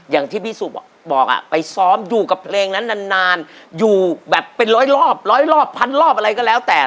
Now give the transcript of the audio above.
อย่างที่พี่สุบอกไปซ้อมอยู่กับเพลงนั้นนานอยู่แบบเป็นร้อยรอบร้อยรอบพันรอบอะไรก็แล้วแต่